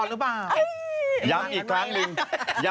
กว่าเราจะได้เหรียญรังบารากรหรือเปล่า